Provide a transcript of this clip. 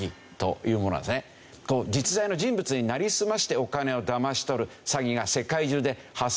実在の人物になりすましてお金をだまし取る詐欺が世界中で発生している。